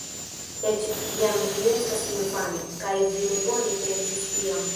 Eĉ kiam vi estis infano, kaj vi ne bone pensis tiam.